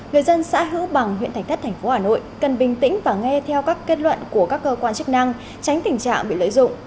người dân xã hữu bằng huyện thạch thất tp hà nội cần bình tĩnh và nghe theo các kết luận của các cơ quan chức năng tránh tình trạng bị lợi dụng